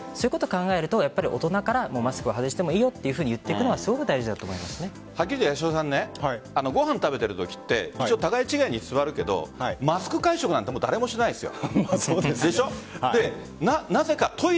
そういうことを考えると大人からマスクを外してもいいよというふうに言っていくのは八代さんご飯食べてるときって互い違いに座るけどマスク会食なんて誰もしないですよ。